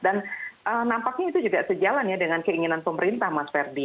dan nampaknya itu juga sejalan ya dengan keinginan pemerintah mas ferdy